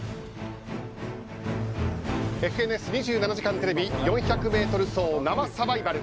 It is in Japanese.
「ＦＮＳ２７時間テレビ」４００ｍ走生サバイバル。